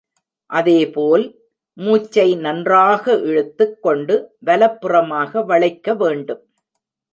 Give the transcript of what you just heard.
அதேபோல், மூச்சை நன்றாக இழுத்துக் கொண்டு வலப்புறமாக வளைக்க வேண்டும்.